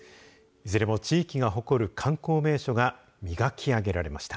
いずれも地域が誇る観光名所が磨きあげられました。